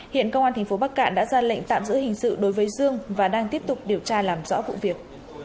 hiện công an tp bắc cạn đã ra lệnh tạm giữ hình sự đối với dương và đang tiếp tục điều tra làm rõ vụ việc